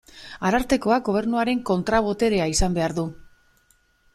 Arartekoak Gobernuaren kontra-boterea izan behar du.